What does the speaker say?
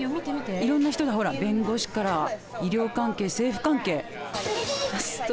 いろんな人がほら弁護士から医療関係政府関係。